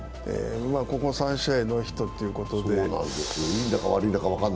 ここ３試合、ノーヒットということで。